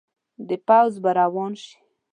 د پوځ به روان شي.